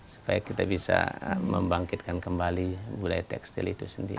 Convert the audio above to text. supaya kita bisa membangkitkan kembali budaya tekstil itu sendiri